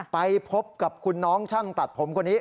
ไปพบกับคุณน้องช่างตัดผมคนนี้